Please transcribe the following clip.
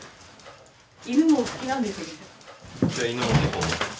犬もお好きなんですね？